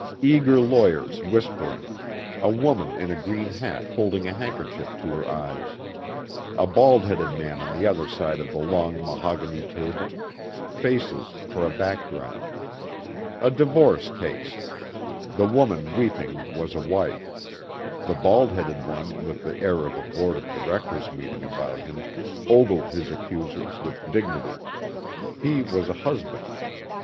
Eager lawyers whispering; a woman in a green hat holding a handkerchief to her eyes; a bald headed man on the other side of the long mahogany table; faces for a background. A divorce case. The woman weeping was a wife. The bald headed one with the air of a board of directors' meeting about him ogled his accusers with dignity. He was a husband.